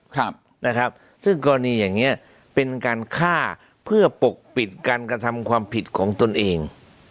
ครับนะครับซึ่งกรณีอย่างเงี้ยเป็นการฆ่าเพื่อปกปิดการกระทำความผิดของตนเอง